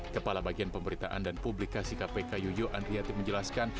kepala bagian pemberitaan dan publikasi kpk yoyo andriati menjelaskan